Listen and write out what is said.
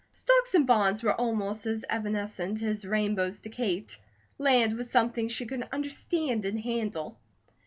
Stocks and bonds were almost as evanescent as rainbows to Kate. Land was something she could understand and handle.